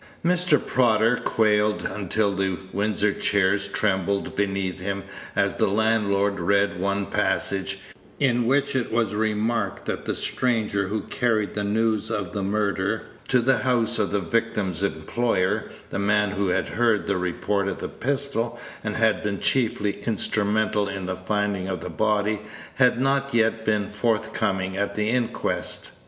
Mr. Prodder quailed until the Windsor chairs trembled beneath him as the landlord read one passage, in which it was remarked that the stranger who carried the news of the murder to the house of the victim's employer, the man who had heard the report of the pistol, and had been chiefly instrumental in the finding of the body, had not been forthcoming at the inquest.